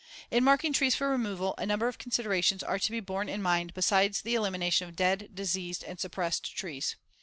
In marking trees for removal, a number of considerations are to be borne in mind besides the elimination of dead, diseased and suppressed trees.